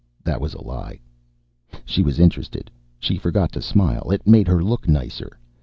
That was a lie. She was interested. She forgot to smile. It made her look nicer.